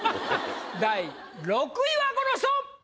第６位はこの人！